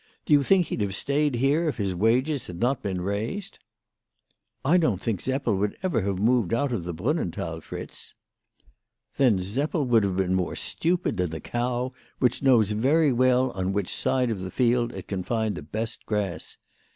Do you think he'd have stayed here if his wages had not been raised ?"" I don't think Seppel ever would have moved out of the Brunnenthal, Fritz." " Then Seppel would have been more stupid than the cow, which knows very well on which side of the field it can find the best grass.